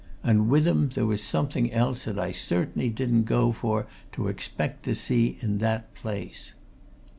And with 'em there was something else that I certainly didn't go for to expect to see in that place."